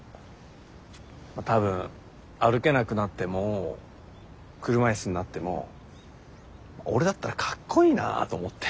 たぶん歩けなくなっても車いすになっても俺だったらかっこいいなと思って。